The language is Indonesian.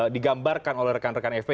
digambarkan oleh rekan rekan fpi